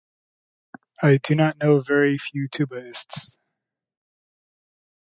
I do not know very few tubaists.